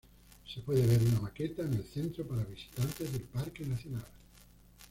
Se puede ver una maqueta en el centro para visitantes del Parque Nacional.